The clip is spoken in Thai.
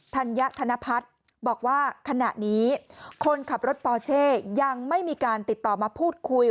ธัญธนพัฒน์บอกว่าขณะนี้คนขับรถปอเช่ยังไม่มีการติดต่อมาพูดคุย